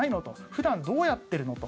普段、どうやってるの？と。